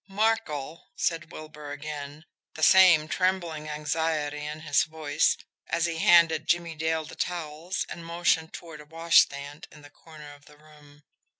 "Markel?" said Wilbur again, the same trembling anxiety in his voice, as he handed Jimmie Dale the towels and motioned toward a washstand in the corner of the room.